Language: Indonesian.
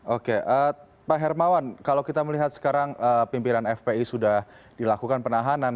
oke pak hermawan kalau kita melihat sekarang pimpinan fpi sudah dilakukan penahanan